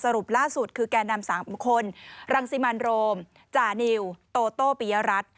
ล่าสุดคือแก่นำ๓คนรังสิมันโรมจานิวโตโต้ปิยรัฐ